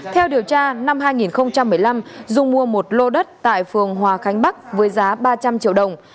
theo điều tra năm hai nghìn một mươi năm dung mua một lô đất tại phường hòa khánh bắc với giá ba trăm linh triệu đồng